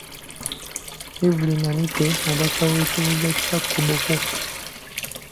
Evelyn Anite mubaka w'ekibuga kya Koboko.